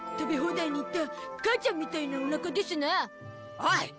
おい！